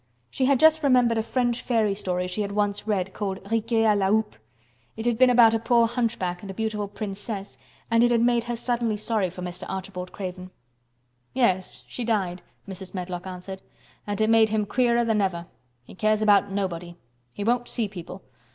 She had just remembered a French fairy story she had once read called "Riquet à la Houppe." It had been about a poor hunchback and a beautiful princess and it had made her suddenly sorry for Mr. Archibald Craven. "Yes, she died," Mrs. Medlock answered. "And it made him queerer than ever. He cares about nobody. He won't see people.